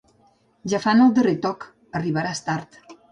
Ja fan el darrer toc: arribaràs tard.